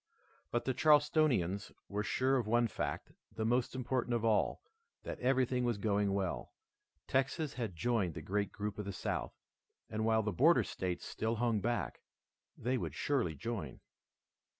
But the Charlestonians were sure of one fact, the most important of all, that everything was going well. Texas had joined the great group of the South, and while the border states still hung back, they would surely join.